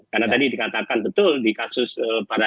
karena tadi dikatakan betul di kasus parada